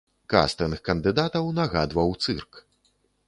Кастынг кандыдатаў нагадваў цырк.